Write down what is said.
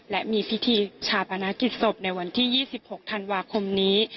และมีพิธีชาปนกิจศพในวันที่๒๖ธันวาคมนี้